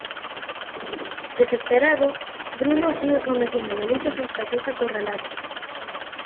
Desesperado, Bruno sigue cometiendo delitos hasta que es acorralado.